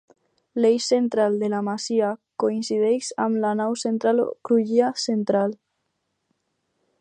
L'eix central de la masia coincideix amb la nau central o crugia central.